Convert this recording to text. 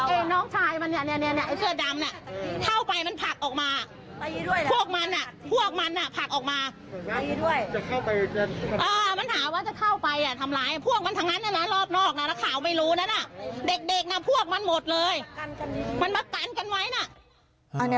มันประกันกันไว้นะ